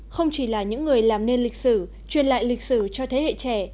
không chỉ là những người làm nên lịch sử truyền lại lịch sử cho thế hệ trẻ